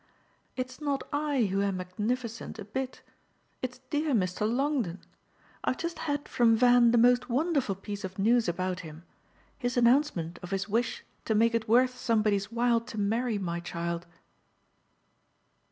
"It's not I who am magnificent a bit it's dear Mr. Longdon. I've just had from Van the most wonderful piece of news about him his announcement of his wish to make it worth somebody's while to marry my child."